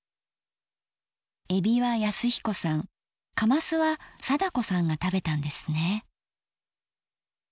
えびは恭彦さんかますは貞子さんが食べたんですね。